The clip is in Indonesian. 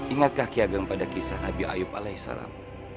ingatkah ki ageng pada kisah nabi ayub alaihissalam